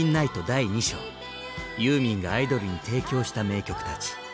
第２章ユーミンがアイドルに提供した名曲たち。